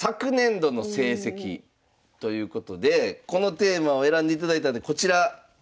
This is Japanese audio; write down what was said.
ということでこのテーマを選んでいただいたんでこちら。